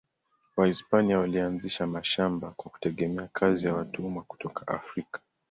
Wahispania walianzisha mashamba kwa kutegemea kazi ya watumwa kutoka Afrika.